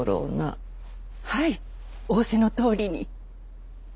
はい仰せのとおりに。